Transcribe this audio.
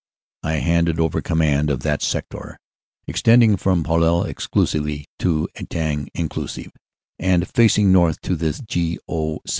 I handed over command of that sector extending from Palluel (exclusive) to Etaing (inclusive) and facing north to the G. O.